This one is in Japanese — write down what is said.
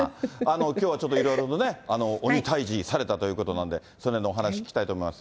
きょうはちょっといろいろとね、鬼退治されたということなんで、そのへんのお話聞きたいと思います。